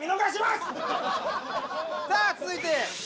さあ続いて。